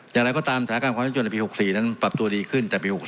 อย่างไรก็ตามสถานการณ์ความชุจรในปี๖๔นั้นปรับตัวดีขึ้นจากปี๖๖